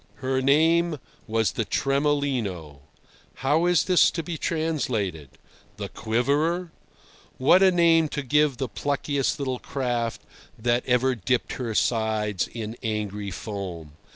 Her name was the Tremolino. How is this to be translated? The Quiverer? What a name to give the pluckiest little craft that ever dipped her sides in angry foam!